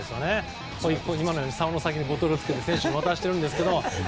今のようにさおの先にボトルをつけて選手に渡しているんですが。